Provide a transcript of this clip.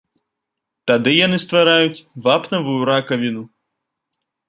Тады яны ствараюць вапнавую ракавіну.